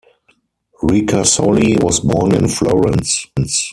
Ricasoli was born in Florence.